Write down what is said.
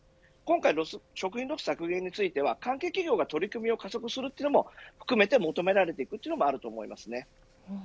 今回食品ロスの削減については関係企業が取り組みを加速するというのも含めて求められていると思います。